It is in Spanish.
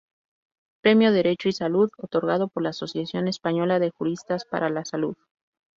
Premio "Derecho y Salud", otorgado por la Asociación Española de Juristas para la salud.